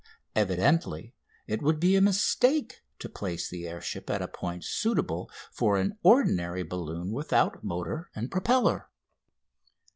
Evidently it would be a mistake to place the air ship at a point suitable for an ordinary balloon without motor and propeller.